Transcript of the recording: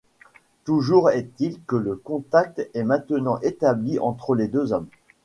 Toujours est-il que le contact est maintenant établi entre les deux hommes.